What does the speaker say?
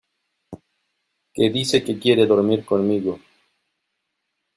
que dice que quiere dormir conmigo.